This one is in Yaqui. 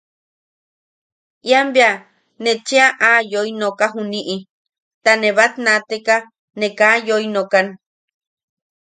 Ian bea ne cheʼa aa yoi noka juniʼi ta ne batnaateka ne kaa yoi nokan.